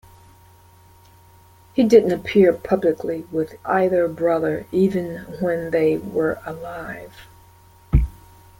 He didn't appear publicly with either brother even when they were alive.